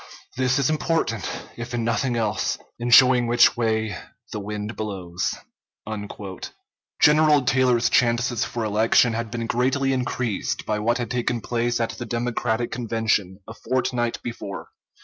This is important, if in nothing else, in showing which way the wind blows." General Taylor's chances for election had been greatly increased by what had taken place at the Democratic Convention, a fortnight before.